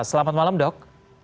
selamat malam dok